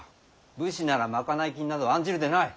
武士なら賄い金など案じるでない。